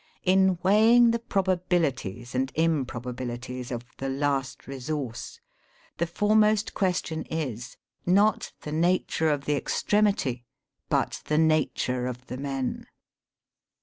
In weighing the probabilities and improba bilities of the " last resource," the foremost question is — not the nature of the extremity ; but, the nature of the men.